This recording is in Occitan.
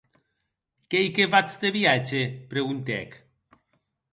Qu’ei que vatz de viatge?, preguntèc.